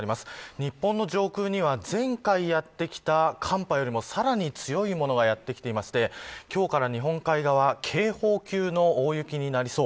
日本の上空には前回やってきた寒波よりもさらに強いものがやってきて今日から日本海側警報級の大雪になりそう。